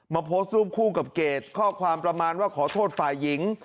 โพสต์รูปคู่กับเกรดข้อความประมาณว่าขอโทษฝ่ายหญิง